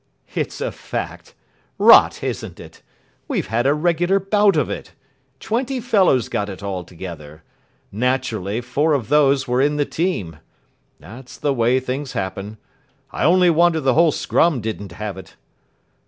"It's a fact. Rot, isn't it? We've had a regular bout of it. Twenty fellows got it altogether. Naturally, four of those were in the team. That's the way things happen. I only wonder the whole scrum didn't have it."